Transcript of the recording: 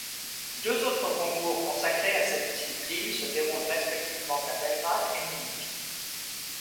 Deux autres concours consacrés à cette discipline se déroulent respectivement à Belgrade et Munich.